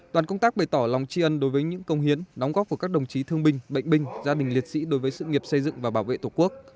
đoàn công tác bày tỏ lòng tri ân đối với những công hiến đóng góp của các đồng chí thương binh bệnh binh gia đình liệt sĩ đối với sự nghiệp xây dựng và bảo vệ tổ quốc